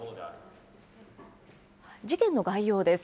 事件の概要です。